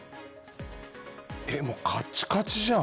もうカッチカチじゃん